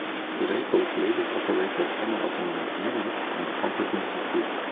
Today both labels operate as semi-autonomous units in the Concord Music Group.